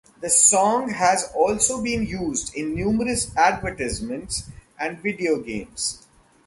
The song has also been used in numerous advertisements and video games.